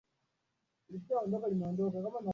aliweza kuuwawa mwaka elfu mbili na saba